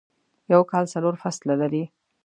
یوکال څلورفصلونه لري ..